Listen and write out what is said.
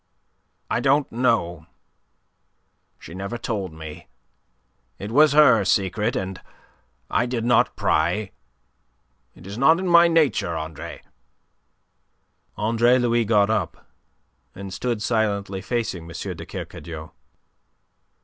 "I don't know. She never told me. It was her secret, and I did not pry. It is not in my nature, Andre." Andre Louis got up, and stood silently facing M. de Kercadiou.